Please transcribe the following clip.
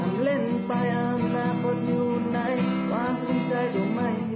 ทำเล่นไปอำนาคตอยู่ไหนหวานคุณใจตัวไม่มี